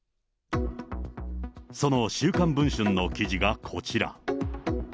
その週刊文春の記事がこちら。